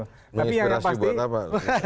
menginspirasi buat apa